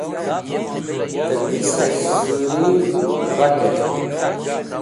Tẽrmisẽs̃h sũrig̃h gha kert.